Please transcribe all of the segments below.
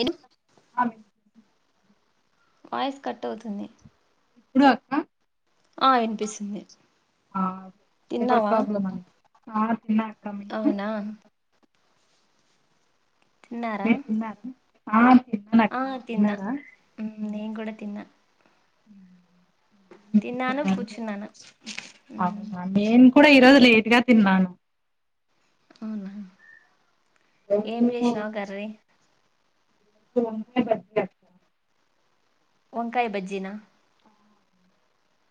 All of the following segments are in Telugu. ఎను ఆ! వినిపిస్తుంది. వాయిస్ కట్ అవుతుంది. ఇప్పుడు అక్క ఆ వినిపిస్తుంది. అదే వెదర్ తిన్నావా ప్రాబ్లమ్ అ తిన్నా అక్క మీరు అవునా తిన్నారా మీరు తిన్నారా ఆ తిన్నానక్క ఆ మీరు తిన్న తిన్నారా మ్ నేన్ కూడా తిన్న ఉ తిన్నాను, కూచున్నాను ఊ ఇప్పుడే ఈరోజు లేట్గా తిన్నాను అవునా రోజు ఏం చేసినవు కర్రీ? గోంగూర పచ్చడి అ వంకాయ బజ్జిన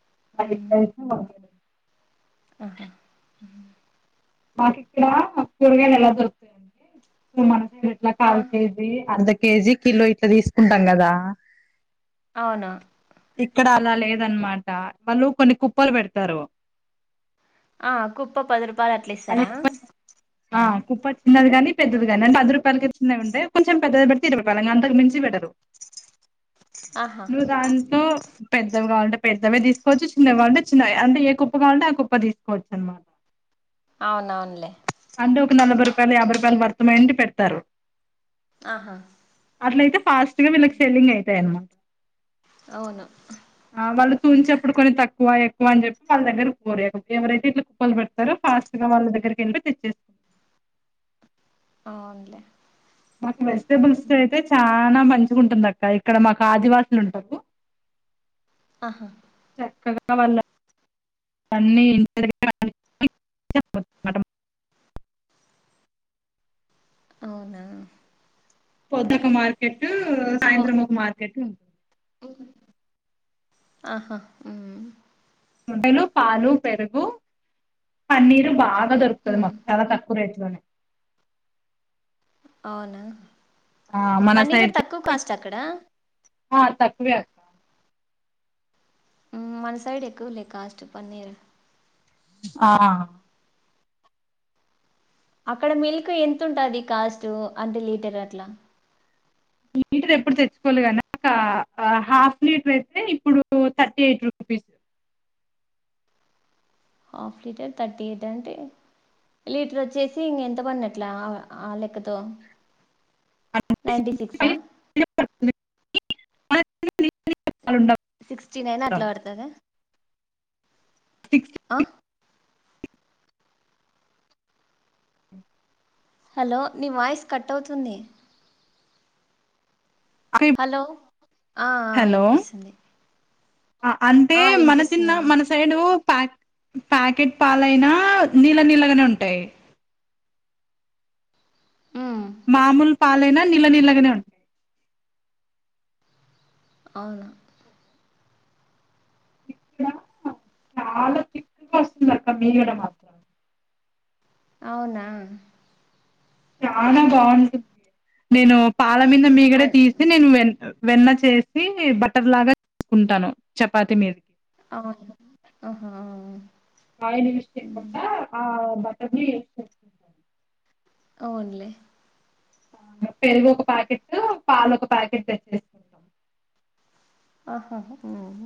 [inaudible] ఆహా మాకి ఇక్కడ కూరగాయలు ఎలా దొరుతుంది అంటే స మన నేను ఇట్లా ఆ కాల్కేజీ, అర్దకేజీ, కిలో ఇట్లా తీసుకుంటాం కదా అవును ఇక్కడ అలా లేదనమాట వాళ్ళు కొన్ని కుప్పలు పెడతారు. ఆ కుప్ప పది రూపాయలు అట్లా ఇస్తారా? అవి ఆ కుప్ప చిన్నది గాని, ఆహా పెద్దది గాని అన్ అది రూపాయలకి చిన్నవి ఉండే కొంచెం పెద్దది బట్టి తిరువాపాలనన్ అంతకు మించి వెడరు ఆహా, నువ్వు దాంతో పెద్దవిగా ఉంట పెద్దవి తీసుకోవచ్చు, చిన్నవి కాంటే చిన్నవి అంటే ఏ కుప్ప కావాలంటే ఆ కుప్ప తీసుకోవచ్చు అనమాట. అవునవునులే అంటే ఒక నలభై రూపాయలు, యాభై రూపాయలు వర్తం అయండి పెడతారు. ఆహా అట్లయితే ఫాస్ట్ గా వీళ్ళకి సెల్లింగ్ అయితాయి అనమాట. అవును ఆ వాళ్ళు తూంచేప్పుడు కొని తక్కువ ఏ కు అని చెప్పి వాళ దగ్గర కోరియా ఎవరైతే ఇట్లా కుక్కలు పెడతారో పాస్ట్గా వాళ్ళ దగ్గరికిళ్ళతే తెచ్చే అవునులే మాకు వెజిటేబుల్స్ అయితే చనా మ పెంచుకుంటుంద అక్క ఇక్కడ మాకు ఆదివాసులు ఉంటవు ఆహా అవన్న అన్నీ ఇంటి దగ్గర [inaudible] అవునా పొద్ద్దక మార్కెట్ సాయంత్రము ఒక మార్కెట్ ఉ ఆహా ఉమ్ ముద్దలు పాలు, పెరుగు, పన్నీరు బా గా దొరుకుతది మ్మ్, మాకు చాల తక్కువ రేట్ లోనే అవునా ఆ మన పన్నీర్ తక్కువ కాస్ట్ అక్కడ? అ తక్కువే అక్క మ్ మన సైడ్ ఎక్కువలే కాస్ట్ పన్నీరు ఆహ అక్కడ మిల్క్ ఎంతుటాది కాస్ట్ అంటే లీటర్ అట్లా లీటర్ ఎప్పుడు తెచ్చుకోవలే కదా ఒక హాఫ్ లీటర్ అయితే ఇప్పుడు thirty eight rupee piece half litre thirty eight అంటే లీటర్ వచ్చేసి ఇంగ ఎంత పడినట్లా ఆ అ లెక్కతో అంటే నైన్టీ సిక్సా [inaudible] సిక్స్టీ నైన్ అట్లా అడతద సిక్స్టీ. ఆ హలో నీ వాయిస్ కట్ అవుతుంది. హలో ఆ వినిపిస్తుంది. అ అంటే ఆ మన వినిపిస్తుంది తిన్న అను మన సైడు ప్యా ప్యాకెట్ పాలయినా నీళ్ళ నీళ్ళగానే ఉంటాయి. మ్మ్ మామూలు పాలైనా నీళ్ళ నీళ్ళగానే ఉం అవును ఇక్కడ చాలా తిక్కుగా వస్తుంది అక్క మీగడ మాత్రం అవునా చాలా బావుండు నేను పాల మిందా అ మీగడే తీసి నేను వెళుతు వెన్న చేసి బట్టర్ లాగా తీసుకుంటాను చపాతి మీద అవును ఆహా అవును. ఆయి నిమిష్టి ఒక మ్మ్, ఆ వబ్బా టమ్మి అవునులే పెరుగు ఒక ప్యాకెట్, పాలు ఒక ప్యాకెట్ తెచ్చేసుకుంటాం. ఆహ ఉమ్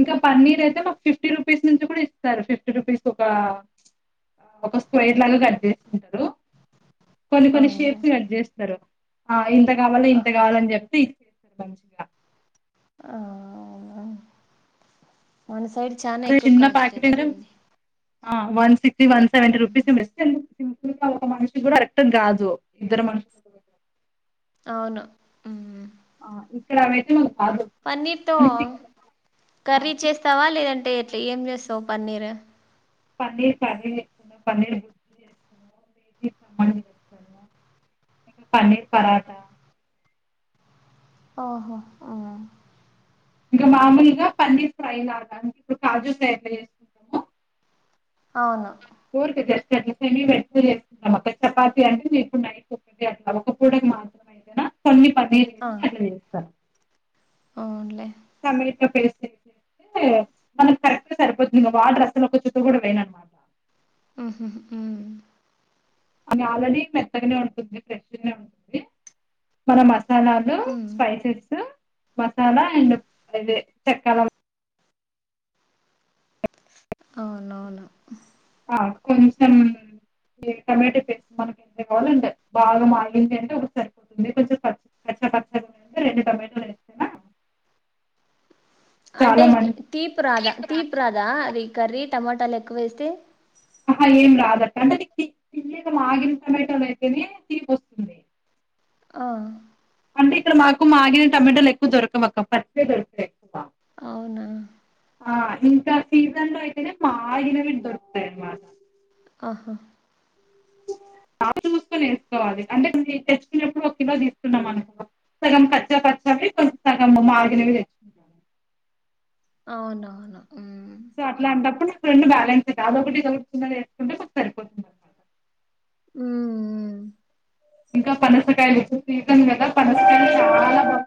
ఇంకా పన్నీర్ అయితే మాకు ఫిఫ్టీ రూపీస్ నుంచి కూడా ఇస్తారు. ఫిఫ్టీ రూపీస్ ఒక ఒక స్క్వేర్ లాగా కట్ చేసిండు కొన్ని కొన్ని అవునులే షేప్స్ కట్ చేస్తారు. ఆ ఇంత కావాలి, ఆహా ఇంత కావాలని చెప్పి [unintelligible] ఆ మన్స్ సైడ్ చానా అదే ఎక్కు చిన్న కాస్ట్లు ప్యాకెట్ ఎట్లా అంటే అండి. ఆ one sixty one seventy rupees best అండి. సింపుల్గా ఒక మనిషి కూడా కరెక్ట్ కాదు ఇద్దరు మను అవున మ్ ఆ ఇప్పుడవైతే మన పన్నీర్తో ఆ కర్రీ చేస్తావా లేదం టే ఏం చేస్తవ్ పన్నీర్ పన్నీర్ కర్రీ చేస్తాను. పన్నీర్ [inaudible] పన్నీర్ పరాఠా అవ్నా ఆహా ఇంకా మామూల్గా పన్నీర్ ఫ్రైలాగా అంటే ఇప్పుడు కాజు ఫ్రై ఎట్ల చేస్కుంటమో [unintelligible] [inaudible] అవును చపాతి అంటే ఇప్పుడు నైట్ ఒక్కటే అట్లా ఒక పూటకు మాత్రమే కొన్ని పన్నీర్ ఏసి అట్ల చేస్తాను అవున్లే పన్నీర్ ఇట్ల పేస్ట్ సీ మనకు కరెక్ట్గా సరిపోతుంద వాటర్ అసల్ ఒక చుక్క గుడా వేయనన్నమాట. ఆహ హ అది ఆల్రెడీ మెత్తగనే ఉంటుంది. ఫ్రెష్గానే ఉంటుంది మన మ ధనియాలు, మ్మ్ స్పైసెస్, మసాలా అండ్ ఇదే చక్కాల అవునవును. ఆ కొంచంలో ఈ టొమాటో పేస్ట్ మనక్ ఎంత కావాలంటే బాగా మాగింది అంటే ఓకే సరిపోతుంది కొంచం ప కచ్చ పచ్చ రెండు టొమాటోల్ వేస్తానా అంటే తీప్ రాదా తీప్ రాదా అది కర్రీ టమాటాల్ ఎక్కువేస్తే అహా ఏం రాదట అంటే నీక్ తి మాగిన్ టమాటలైతెనే తీప్ వస్తుంది. ఆ అంటే ఇక్కడ మాకు మాగిన టమాటలెక్కు దొరకవక్క పచ్చయి దొరుకుతయి ఎక్కువ అవునా ఆ ఇంకా సీసన్లో అయితేనే మాగినవి దొర్తుతయి అన్న ఆహా అవి చూస్కొన్ ఏస్కోవాలి అంటే మీర్ తెచ్చుకున్నప్పుడు ఒక కిలో తీసుకున్నాం అనుకో సగం కచ్చా పచ్చావి కొంచం సగం మాగినవి తెచ్చుకుంటాము. అవునవునా మ్ సో అట్లాంటప్పుడు నాకు రెండు బ్యాలెన్స్ అయిత అదొకటి ఇదొకటి చిన్నగ వేసుకుంటే మాక్ సరిపోతుంది అన్నమాట. మ్ ఇంకా పనసకాయలు ఇప్పుడు సీసన్ కదా పనసకాయలు చాలా బాగు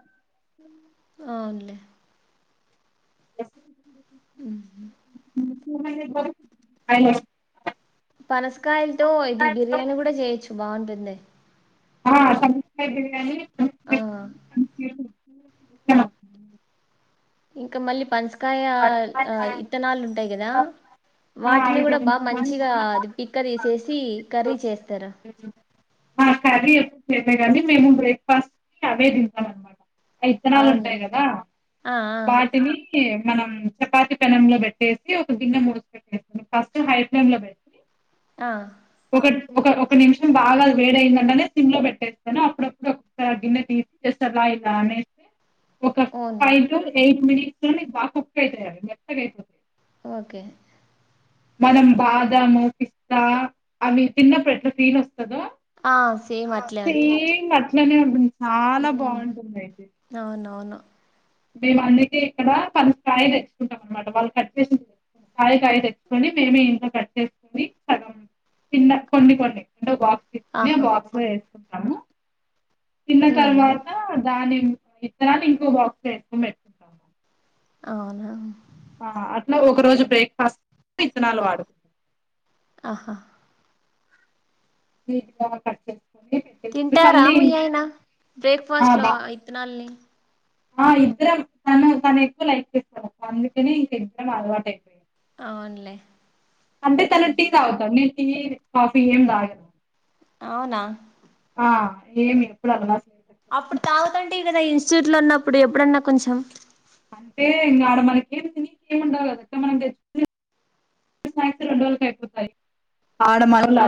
అవున్లే [inaudible] మ్ హ్ [unintelligible] పనస్కాయలతో ఇది బిర్యానీ గుడా చేయొచ్చు బాగుంటుంది. ఆ పనసకాయ్ బిర్యానీ ఆ సంస్కృతి సంస్కృతి ఇంక మళ్ళీ పనసకాయ ఆ ఇత్తనాలు ఉంటాయి కదా ఆ, వాటిని అవి కూడ బ వేయించుకొని మంచిగా అది పిక్క తీసేసి కర్రీ చేస్ అ అది కానీ మేము బ్రేక్ఫాస్ట్ కి అవే తింటం అన్నమాట [inaudible] ఇత్తనాలు అవునా ఉంటాయి కద ఆ ఆ వాటిని మనం చపాతి పెనం లో పెట్టేసి ఒక గిన్నె మూసి పెట్టేసి ఫస్ట్ హై ఫ్లేమ్ లో పెట్టి ఆ ఒక ఒక నిమిషం బాగ వేడి అయిందంటేనే సిమ్ లో పెట్టేస్తాను అప్పుడప్పుడు ఒకసారి గిన్నె తీసి చేస్తాను ఇల ఇలా అనేసి ఒక only five to eight minutes లోనె బాగ కుక్ అయితాయి అవి మెత్తగ అయిపోతయి ఓకే మనం బాదము పిస్త అవి తిన్నప్పుడు ఎట్ల ఫీల్ అస్తద్ దొ ఆ సేమ్ అట్లే ఉంటాయి సేమ్ అట్ల అట్లనె చాలా ఉమ్ బాగుంటుంది అయితే అవునవును మేము అందుకే ఇక్కడ పనసకాయలు తెచ్చుకుంటం అన్నమాట వాళ్ళు కట్ చేసి కాయ కాయ తెచ్చుకొని మేమే ఇంట్లో కట్ చేసుకొని సగం పింద కొన్ని కొన్ని అంటె ఒక బాక్స్ తీసుకుని ఆ ఆహా బాక్స్ లో ఏసుకుంటాము తిన్న ఉమ్ తర్వాత దాని ఇత్తనాన్ని ఇంకో బాక్స్ ఏసుకొని పెట్టుకుంటాము అవునా ఆ అట్ల ఒక రోజు బ్రేక్ఫాస్ట్ ఇత్తనాలు వాడుకుంటు ఆహ మిగితా సగం తింటార మీ ఆయన బ్రేక్ఫాస్ట్ లో ఆ ఇత్తనాళ్ని ఆ ఇద్దరం తను తను ఎక్కువ లైక్ చేస్తారు అందుకని ఇంక ఇద్దరం అలవాట్ అయిపోయింది అవును లె అంటె తను టీ తాగుతాడు నీ టీ కాఫీ ఏం తాగను అవున ఆ ఏమి ఎప్పుడు అన్న కద ఇన్స్టిట్యూట్లో ఉన్న ఎప్పుడన్న కొంచెం అంటె ఇంక ఆడ మనకి ఏం తిని ఏమి ఉండాలి కదక్క మనం తెచ్ [inaudible] అయిపోతాయి ఆ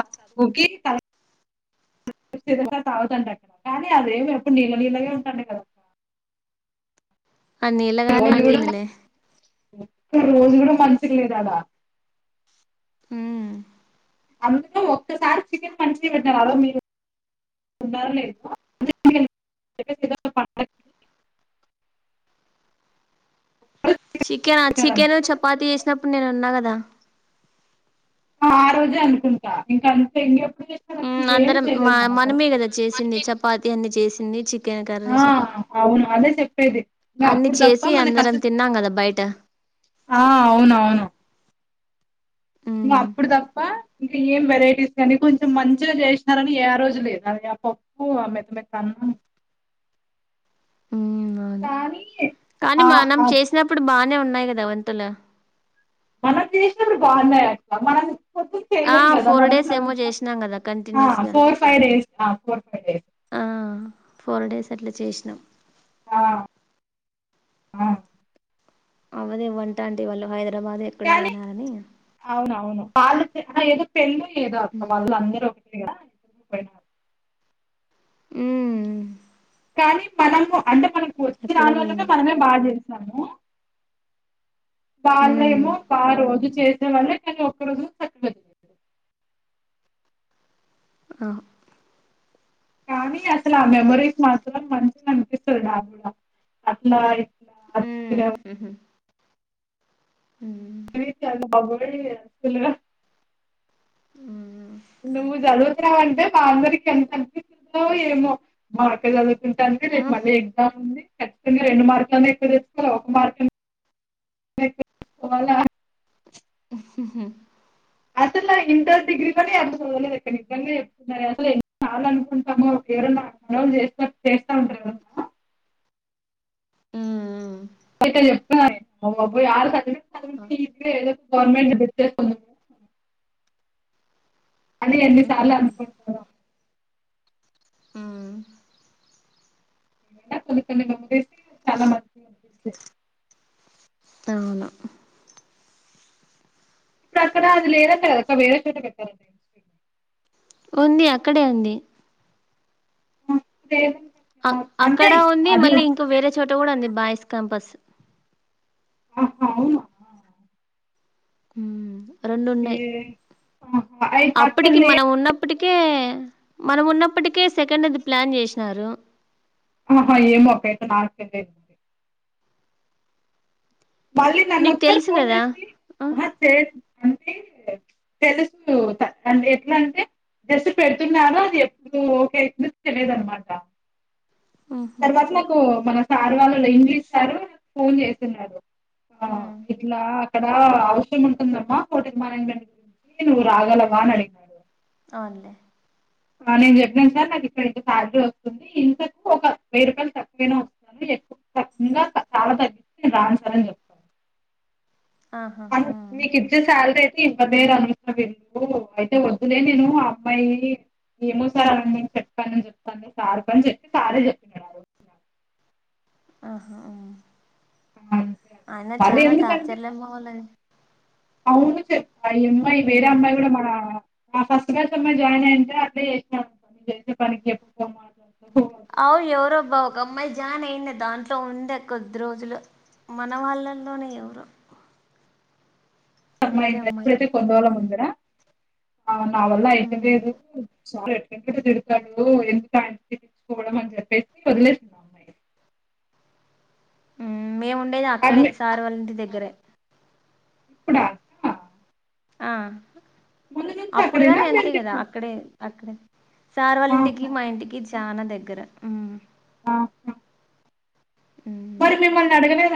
[unintelligible] కోకిత [unintelligible] తాగుతండి అక్కడ కానీ అదేమి ఎప్పుడు నీళ్ళ నీళ్ళగే ఉంటాంది [unintelligible] అ నీళ్లగానే ఉంటుందిలె రోజులు మంచిగ లేదు అడా ఉమ్మ్ అందులో ఒక్కసారి చికెన్ పంచి పెట్టినారార మీరు ఉన్నార లేద ప [unintelligible] [inaudible] చికెన చికెను చపాతి చేసినప్పుడు నేను ఉన్న కద ఆ ఆరోజే అనుకుంట ఇంక అంత ఎంగ ఎప్పుడు చేస్తాను ఉమ్ ఏం అందరం మా చేయలేదు మానస మనమే కదా చేసింది చపాతి అన్ని చేసింది చికెన్ కర్రీ ఆ అవును అదే చెప్పేది అన్ని అప్పుడు తప్ప చేసి మనకు అందరం అసలు తిన్నాం కదా బయట ఆ అవునవును ఉమ్ ఇంక ఏం వెరైటీస్ కానీ కొంచెం మంచిగ చేసినారని ఏ రోజు లేదు అద ఆ పప్పు ఆ మెత్త మత్త ఆ కానీ ఆ మనం ఆ చేసినప్పుడు బా నే ఉన్నాయి కదా వంతుల మనం చేసినప్పుడు బాగున్నాయి అక్క మనం ఆ ఫోర్ డేస్ ఏమో చేసినాం కదా ఆ కంటిన్యూస్ గా ఫోర్ ఫైవ్ డేస్ ఆ ఫోర్ ఫైవ్ డేస్ [inaudible] ఆ ఫోర్ డేస్ అట్ల చేసినం ఆ అ అవదే వంటా ఆంటీ వాళ్ళు హైదరాబాద్ ఎక్కడో కానీ పోయినారని అవునవును వాళ్ళు అహ ఏదో పెళ్ళు ఏదో అక్క ఉమ్ వాళ్ళు అందరు ఒకటే కడా పోయినారు. మ్ కానీ మనము అంటే మనకు వచ్చి ఎక్కడో రానోళ్ళమే పోయింది మనమే బాగా చేస్తాము. ఉమ్ వాళ్ళేమో బా రోజు చేసే వాళ్ళే కనీ ఒక్క రోజులో [inaudible] అ కానీ అసల మెమోరీస్ మాత్రం మంచిగనిపిస్తది నాక్ గుడ అట్లా అట్టిగా మీ చాలా బబులే [unintelligible] ఆ నువ్వు చదువుతావంటే మా అందరికి ఎంత అనిపిస్తుందో ఏమో మా అక్క చదువు ఉంటాన్కె రేప్ మళ్ళీ ఎగ్జామ్ ఉంది ఖచ్చితంగా రెండు మార్కులన్న ఎక్కు తెచ్చుకో ఒక మార్క్ అ తెచ్చుకోవాల [inaudible] అసల ఇంటర్ డిగ్రీతోని అంత చదవలేద్ అక్క నిజంగ చెప్తున్నార్ అసల్ ఎన్ని సార్లు అనుకుంటామో ఎవరన్న ఫోన్ చేస్త చేస్తా ఉంటరు ఎవరన్న మ్ మ్ అయితే చెప్పిన కదా నేను [unintelligible] గవర్నమెంట్ పెట్టేసాము. అది ఎన్నిసార్లు అనుకుంటదో ఆ ఏవైనా కొన్ని కొన్ని మెమోరీస్ చాలా మంచిగ అనిపిస్తయి. అవును ఇప్పుడు అక్కడ కాదు లేరా ఒక వేళ చోట పెట్టారండి ఇన్స్టిట్యూట్ ఉంది అక్కడే ఉంది. ఆ లేదు అ అక్కడ ఉంది మళ్ళీ ఇంకో వేరే చోట కూడా ఉంది బాయ్స్ క్యాంపస్ ఆ అవునా ఏ రొండున్నయి. ఆహా అయి అక్కడ అప్పటికి లే మనం ఉన్నప్ ప్పటికే మనం ఉన్నప్పటికే సెకండ్ది ప్లాన్ చేసినారు. ఆహా ఏమో అపేత నాకు తెలీదు మళ్ళీ నన్ నీకు ఒక్సార్ తెలుసు ఫోన్ కదా చేసి అహ తే అంటే తెలుసు త తండ్రి ఎట్లా అంటే పెడుతున్నారో అది ఎప్పుడు ఓకే అయితుందో తెలియద్ అన్మాట. తర్వాత నాకు మన సార్ వాళ్ళ ఇంగ్లీష్ సారు ఫోన్ చేస్తున్నారు. ఆ ఇట్లా అక్కడా అవసరం ఉంటుందమ్మా హోటల్ మేనేజ్మెంట్ కి నువ్ రాగలవా అన్ అడి అవునులే నేను చెప్పినాను సార్ నాకు ఇక్కడ ఇంత శాలరీ వస్తుంది ఇంతకు ఒక వెయ్యి రూపాయలు తక్కువైనా వస్తుంది [unintelligible] చాలా తగ్గిస్తే నిను రాను సార్ అని చెప్తా ఆహా మీకు ఇచ్చె శాలరీ ఇంత పేరు [unintelligible] అయితే వద్దులే నేను ఆ అమ్మాయి ఏమో సారు అలా నిను చెప్పనాని చెప్పండి సార్ తో అని చెప్పి సారే చెప్పినాడు ఆరోజు ఇంకా ఆహా మ్మ్ ఆ, అంతే అక్క. అయిన మళ్ళీ చానా ఎందుకంటే టార్చర్ లే అమ్మ వాళ్ళది అవును చెప్ప ఈ అమ్మాయి వేరే అమ్మాయి కూడా మన ఆ ఫస్ట్ ఫస్ట్ అమ్మాయి జాయిన్ అయింటే అట్లె చేసిన అమ్మ నువ్వు చేసే పనికి ఎందుకమ్మా అట్ల అవ్ ఎవరో బామ్ ఒక అమ్మాయి జాన్ అయిన్యా దాంట్లో ఉండే కొద్ది రోజులు మన వాళ్ళల్లోనే ఎవరో [unintelligible] వేరే అమ్మాయి ప్పుడైతే కొన్ని రోజుల ముందర ఆ నా వల్ల అయితా లేదు సార్ ఎట్ల ఎట్లో తిడతాడు ఎందుకు ఆయన తో తిట్టించుకోవడం అని చెప్పేసి వదిలేసింది ఆ అమ్మాయి మ్మ్ మేము ఉండేది అక్కడే అడ్మి సార్ వాళ్ళ ఇంటి దగ్గరే ఇప్పుడ అక్క ఆ అప్పుడు అక్కడేనా కాని అంతే మీరు కదా అక్కడే అక్కడే సార్ వాళ్ళ ఇంటికి ఆహా మా ఇంటికి చానా దగ్గర మ్మ్ పక్క మరి మిమ్మల్ని అడగలేదా